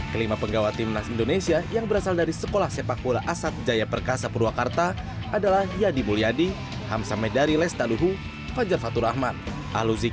kedatangan lima penggawa tim nasional sepak bola indonesia u enam belas dari purwakarta disambut warga purwakarta dengan antusias